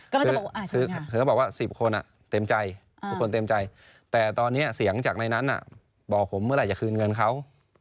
คือเขาบอกว่า๑๐คนเต็มใจทุกคนเต็มใจแต่ตอนนี้เสียงจากในนั้นบอกผมเมื่อไหร่จะคืนเงินเขา